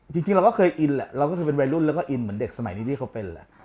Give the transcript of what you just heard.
จริงเราก็เคยอินแหละเราก็เคยเป็นวัยรุ่นแล้วก็อินเหมือนเด็กสมัยนี้ที่เขาเป็นแหละ